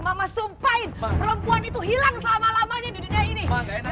mama sumpahin perempuan itu hilang selama lamanya di dunia ini